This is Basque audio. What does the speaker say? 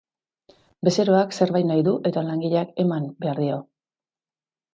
Bezeroak zerbait nahi du eta langileak eman behar dio.